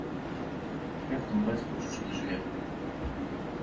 Як там бацькаўшчына жыве?